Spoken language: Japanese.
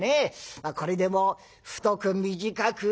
これでも太く短く